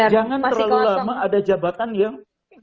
jangan terlalu lama ada jabatan yang